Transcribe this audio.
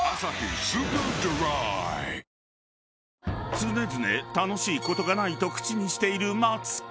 ［常々「楽しいことがない」と口にしているマツコ］